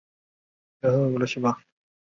赤城鼓楼的历史年代为明代。